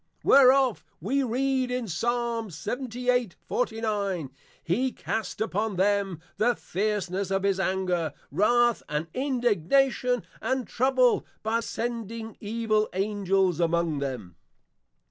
Whereof we read in Psal. 78.49. _He cast upon them the fierceness of his Anger, Wrath, and Indignation, and Trouble, by sending Evil Angels among them.